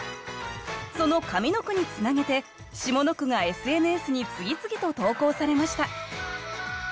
その上の句につなげて下の句がＳＮＳに次々と投稿されました